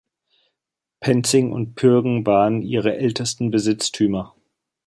Penzing und Pürgen waren ihre ältesten Besitztümer.